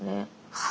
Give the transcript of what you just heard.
はい。